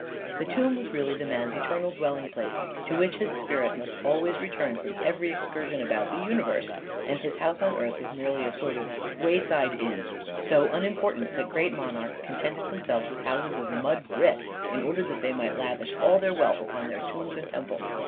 The tomb was really the man's eter nal dwelling place, to which his spirit must always return from every excursion about the universe, and his house on earth was merely a sort of wayside inn — so unimportant that great monarchs contented themselves with houses of mud brick, in order that they might lavish all their wealth upon their tombs and temples.